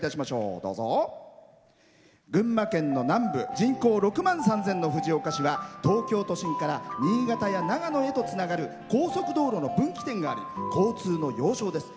およそ６万３０００の藤岡市は東京都心から新潟や長野へとつながる高速道路の分岐点となり交通の要衝です。